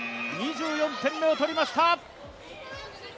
２４点目を取りました！